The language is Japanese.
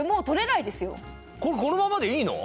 これこのままでいいの？